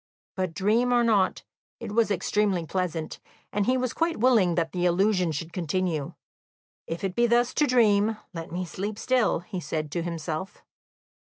But, dream or not, it was extremely pleasant, and he was quite willing that the illusion should continue. "If it be thus to dream, let me sleep still," he said to himself.